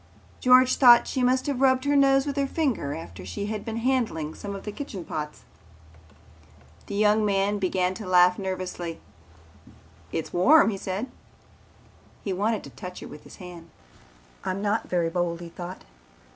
George thought she must have rubbed her nose with her finger after she had been handling some of the kitchen pots. The young man began to laugh nervously. "It's warm," he said. He wanted to touch her with his hand. "I'm not very bold," he thought.